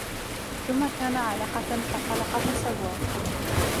ثُمَّ كَانَ عَلَقَةً فَخَلَقَ فَسَوَّى